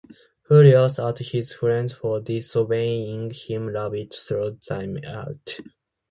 Furious at his friends for disobeying him, Rabbit throws them out.